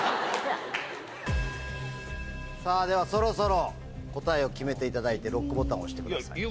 さぁではそろそろ答えを決めていただいてロックボタンを押してください。